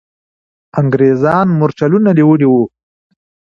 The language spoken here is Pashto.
انګریزان مرچلونه نیولي وو.